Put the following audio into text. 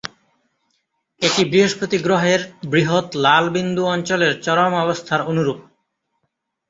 এটি বৃহস্পতি গ্রহের বৃহৎ লাল বিন্দু অঞ্চলের চরম অবস্থার অনুরূপ।